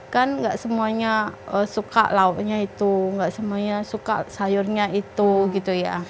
kan gak semuanya suka lauknya itu nggak semuanya suka sayurnya itu gitu ya